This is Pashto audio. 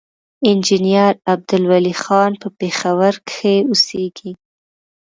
انجينير عبدالولي خان پۀ پېښور کښې اوسيږي،